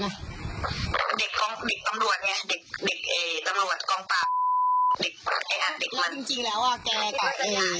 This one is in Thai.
เด็กดิกตำรวจไงเด็กดิตำรวจกองป้าบิ๋แกแล้วจริงจริงแล้วอ่ะ